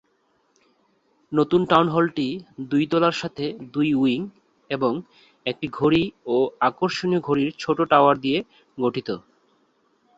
নতুন টাউন হলটি দুই তলার সাথে দুই উইং এবং একটি ঘড়ি ও আকর্ষণীয় ঘড়ির ছোট টাওয়ার দিয়ে গঠিত।